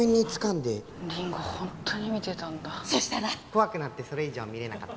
怖くなってそれ以上見れなかった。